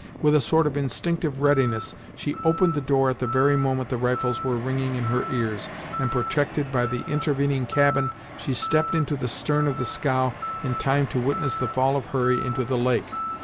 With a sort of instinctive readiness, she opened the door at the very moment the rifles were ringing in her ears, and protected by the intervening cabin, she stepped into the stem of the scow in time to witness the fall of Hurry into the lake.